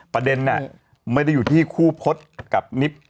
ประเด็นไม่ได้อยู่ที่คู่พจน์กับนิบ